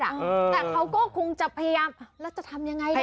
แต่เขาก็คงจะพยายามแล้วจะทำยังไง